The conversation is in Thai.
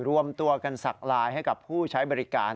รวมตัวกันสักลายให้กับผู้ใช้บริการ